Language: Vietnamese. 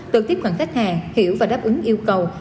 được tiếp cận khách hàng hiểu và đáp ứng yêu cầu